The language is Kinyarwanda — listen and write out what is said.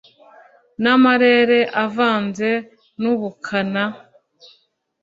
n’amarere avanze n’ubukana